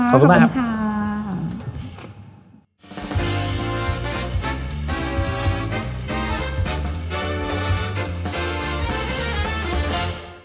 ขอบคุณมากขอบคุณค่ะ